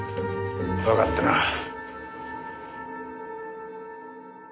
わかったな。